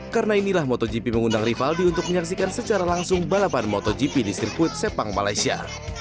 karena inilah motogp mengundang rivaldi untuk menyaksikan secara langsung balapan motogp di sirkuit sepang malaysia